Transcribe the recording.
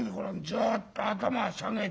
ずっと頭下げて。